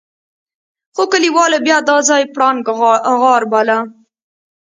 خو کليوالو بيا دا ځای پړانګ غار باله.